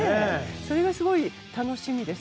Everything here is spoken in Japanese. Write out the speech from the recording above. それがすごい楽しみです。